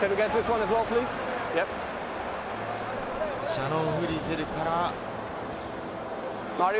シャノン・フリゼルから。